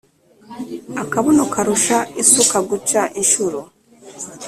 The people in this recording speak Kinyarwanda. Akabuno karusha isuka guca inshuro.